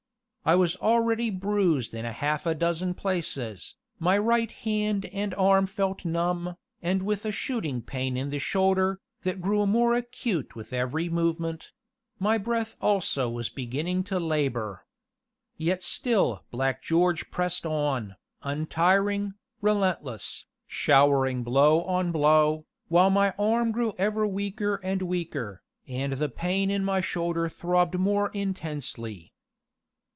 I was already bruised in half a dozen places, my right hand and arm felt numb, and with a shooting pain in the shoulder, that grew more acute with every movement; my breath also was beginning to labor. Yet still Black George pressed on, untiring, relentless, showering blow on blow, while my arm grew ever weaker and weaker, and the pain in my shoulder throbbed more intensely.